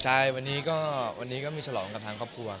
ใช่วันนี้ก็วันนี้ก็มีฉลองกับทางครอบครัว